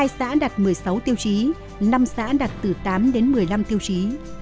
hai xã đặt một mươi sáu tiêu chí năm xã đặt từ tám đến một mươi năm tiêu chí